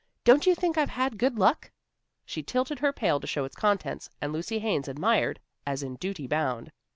Don't you think I've had good luck?" She tilted her pail to show its contents, and Lucy Haines admired as in duty bound.